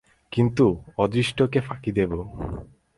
কিন্তু, অদৃষ্টকে ফাঁকি দেব।